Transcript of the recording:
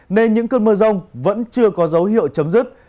nên những cơn mưa rông vẫn chưa có dấu hiệu chấm dứt